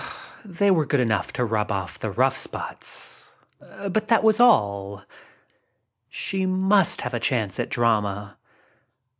They were good enough to rub off the rough spots, but that was all. She must have a chance at drama.